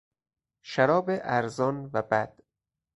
شراب ارزان و بد